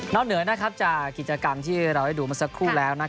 เหนือจากกิจกรรมที่เราได้ดูเมื่อสักครู่แล้ว